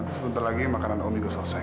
nanti sebentar lagi makanan om ibu selesai